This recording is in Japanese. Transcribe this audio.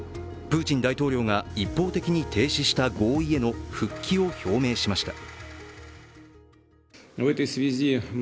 プーチン大統領が一方的に停止した合意への復帰を表明しました。